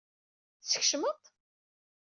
Teskecmeḍ-t?